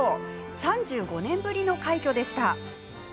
３５年ぶりの快挙でした。